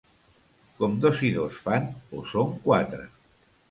Com dos i dos fan o són quatre.